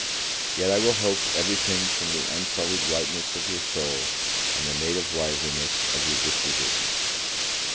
Yet I will hope every thing from the unsullied whiteness of your soul, and the native liveliness of your disposition.